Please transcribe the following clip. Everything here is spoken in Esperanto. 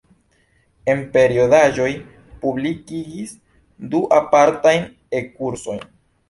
En periodaĵoj publikigis du apartajn E-kursojn.